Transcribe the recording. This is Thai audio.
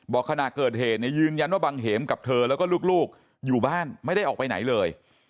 ขณะเกิดเหตุเนี่ยยืนยันว่าบังเหมกับเธอแล้วก็ลูกอยู่บ้านไม่ได้ออกไปไหนเลย